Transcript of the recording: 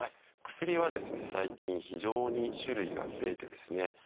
薬は最近非常に種類が増えてですね